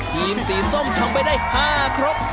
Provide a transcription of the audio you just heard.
ทีมสีส้มทำไปได้๕ครก